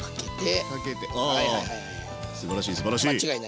すばらしいすばらしい。